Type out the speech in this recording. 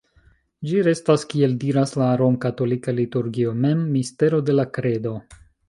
Ĝi restas, kiel diras la romkatolika liturgio mem, "mistero de la kredo".